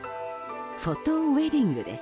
フォトウェディングです。